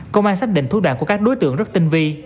công an xác định thuốc đạn của các đối tượng rất tinh vi